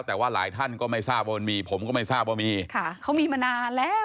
แต่ว่าหลายท่านก็ไม่ทราบว่ามันมีผมก็ไม่ทราบว่ามีค่ะเขามีมานานแล้ว